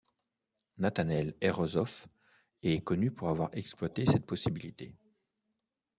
Nathanael Herreshoff, est connu pour avoir exploité cette possibilité.